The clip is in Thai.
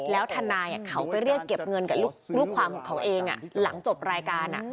แล้วทนายเขาไปเรียกเก็บเงินกับลูกความของเขาเองหลังจบรายการ